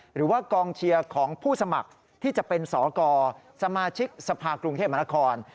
หรือว่ากองเชียร์ของผู้สมัครที่จะเป็นสกสมาชิกสภากรุงเทพมหานคร